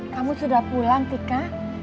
kamu sudah pulang tika